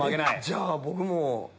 じゃあ僕も。